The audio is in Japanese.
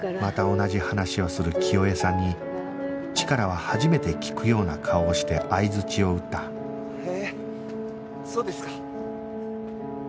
また同じ話をする清江さんにチカラは初めて聞くような顔をして相づちを打ったへえそうですか。